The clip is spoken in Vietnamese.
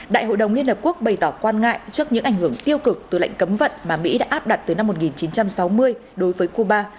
đại hội đồng liên hợp quốc bày tỏ quan ngại trước những ảnh hưởng tiêu cực từ lệnh cấm vận mà mỹ đã áp đặt từ năm một nghìn chín trăm sáu mươi đối với cuba